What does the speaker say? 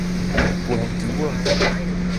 Wo hängt die Uhr?